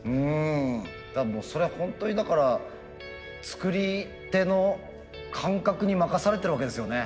それはホントにだから作り手の感覚に任されてるわけですよね。